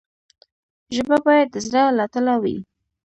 ژبه باید د زړه له تله وي.